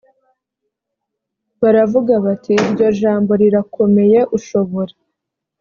baravuga bati iryo jambo rirakomeye ushobora